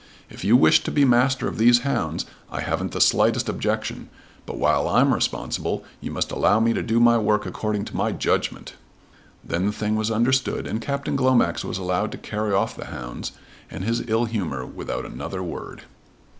"If you wish to be Master of these hounds I haven't the slightest objection, but while I'm responsible you must allow me to do my work according to my own judgment." Then the thing was understood and Captain Glomax was allowed to carry off the hounds and his ill humour without another word.